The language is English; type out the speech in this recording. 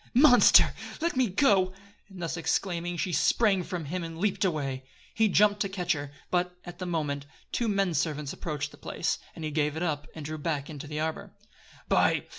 "Monster! let me go!" And thus exclaiming she sprang from him, and leaped away. He jumped to catch her; but, at that moment, two men servants approached the place, and he gave it up, and drew back into the arbor. "By